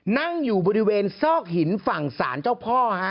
นั่งอยู่บริเวณซอกหินฝั่งศาลเจ้าพ่อ